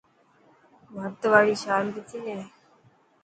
ڀرت واري شال ڪٿي هي.